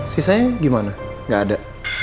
sisanya gimana gak ada